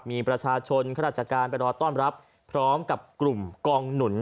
มีประชาชนข้าราชการไปรอต้อนรับพร้อมกับกลุ่มกองหนุน